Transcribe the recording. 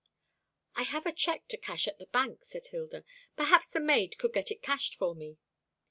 "I have a cheque to cash at the Bank," said Hilda. "Perhaps the maid could get it cashed for me."